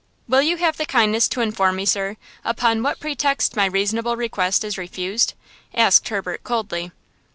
"Will you have the kindness to inform me, sir, upon what pretext my reasonable request is refused?" asked Herbert, coldly.